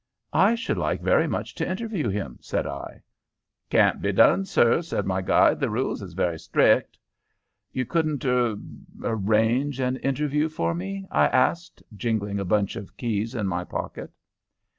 "I should like very much to interview him," said I. "It can't be done, sir," said my guide. "The rules is very strict." "You couldn't er arrange an interview for me," I asked, jingling a bunch of keys in my pocket.